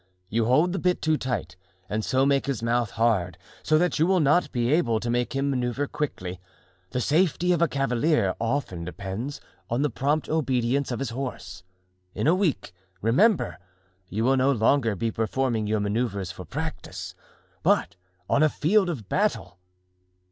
You hold the bit too tight and so make his mouth hard, so that you will not be able to make him manoeuvre quickly. The safety of a cavalier often depends on the prompt obedience of his horse. In a week, remember, you will no longer be performing your manoeuvres for practice, but on a field of battle."